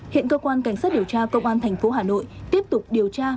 hiện cơ quan cảnh sát điều tra công an thành phố hà nội tiếp tục điều tra